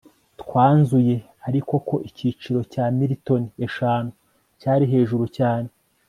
twanzuye, ariko ko igiciro cya militoni eshanu cyari hejuru cyane